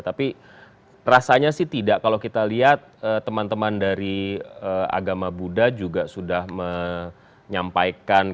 tapi rasanya sih tidak kalau kita lihat teman teman dari agama buddha juga sudah menyampaikan